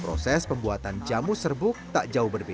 proses pembuatan jamu serbu tak jauh berakhir